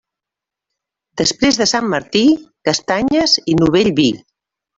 Després de Sant Martí, castanyes i novell vi.